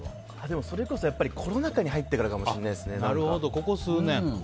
それこそやっぱり、コロナ禍に入ってからかもしれないですね。